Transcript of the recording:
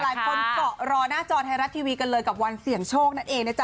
หลายคนเกาะรอหน้าจอไทยรัฐทีวีกันเลยกับวันเสี่ยงโชคนั่นเองนะจ๊